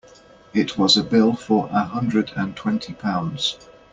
It was a bill for a hundred and twenty pounds.